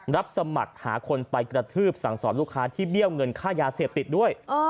รับสมัครหาคนไปกระทืบสั่งสอนลูกค้าที่เบี้ยวเงินค่ายาเสพติดด้วย